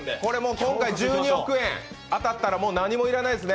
今回、１２億円当たったらもう何も要らないですね？